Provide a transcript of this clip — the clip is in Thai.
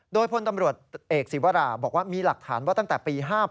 โดยพลตำรวจเอกศิวราบอกว่ามีหลักฐานว่าตั้งแต่ปี๕๘